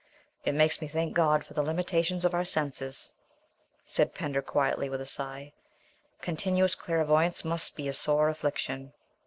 "It makes me thank God for the limitations of our senses," said Pender quietly, with a sigh; "continuous clairvoyance must be a sore affliction."